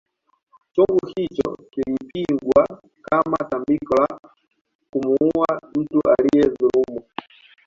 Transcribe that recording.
Chungu hicho kilipigwa kama tambiko la kumuuwa mtu aliyedhulumu